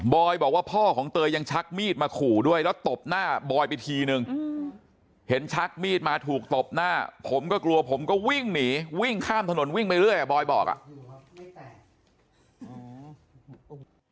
บอกว่าพ่อของเตยยังชักมีดมาขู่ด้วยแล้วตบหน้าบอยไปทีนึงเห็นชักมีดมาถูกตบหน้าผมก็กลัวผมก็วิ่งหนีวิ่งข้ามถนนวิ่งไปเรื่อยอ่ะบอยบอกอ่ะอืม